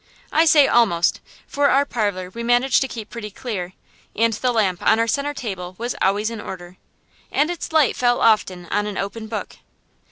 I say almost; for our parlor we managed to keep pretty clear, and the lamp on our centre table was always in order, and its light fell often on an open book.